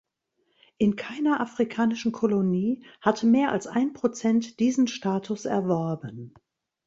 In keiner afrikanischen Kolonie hatte mehr als ein Prozent diesen Status erworben.